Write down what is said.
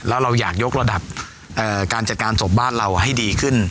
แล้วเราอยากยกระดับการจัดการศพบ้านเราให้ดีขึ้น